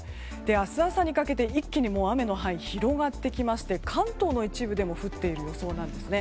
明日朝にかけて一気に雨の範囲が広がってきまして関東の一部でも降っている予想です。